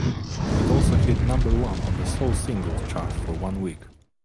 It also hit number one on the soul singles chart for one week.